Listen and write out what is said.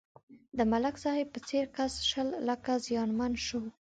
د ملک صاحب په څېر کس شل لکه زیانمن شو.